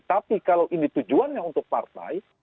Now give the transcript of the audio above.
tapi kalau ini tujuannya untuk partai